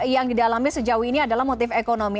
yang didalami sejauh ini adalah motif ekonomi